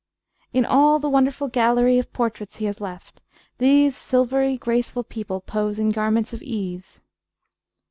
In all the wonderful gallery of portraits he has left, these silvery graceful people pose in garments of ease.